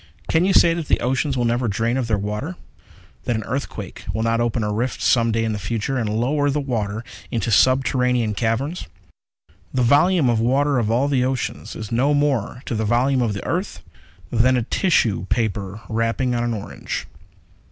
Can you say that the oceans will never drain of their water? That an earthquake will not open a rift some day in the future and lower the water into subterranean caverns? The volume of water of all the oceans is no more to the volume of the earth than a tissue paper wrapping on an orange.